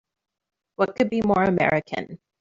What could be more American!